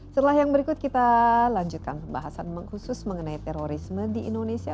setelah yang berikut kita lanjutkan pembahasan mengkhusus mengenai terorisme di indonesia